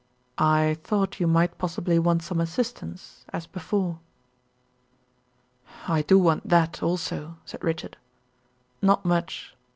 "I thought you might possibly want some assistance, as before." "I do want that, also," said Richard. "Not much.